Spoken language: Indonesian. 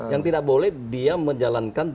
yang tidak boleh dia menjalankan